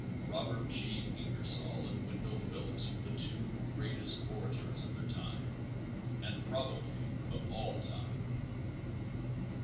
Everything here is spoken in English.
Robert G. Ingersoll and Wendell Phillips were the two greatest orators of their time, and probably of all time.